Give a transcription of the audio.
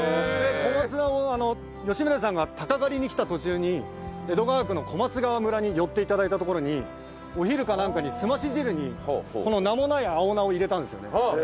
小松菜を吉宗さんが鷹狩りに来た途中に江戸川区の小松川村に寄って頂いたところにお昼かなんかにすまし汁にこの名もない青菜を入れたんですよね。